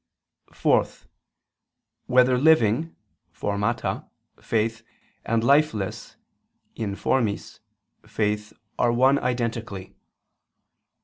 (4) Whether living (formata) faith and lifeless (informis) faith are one identically?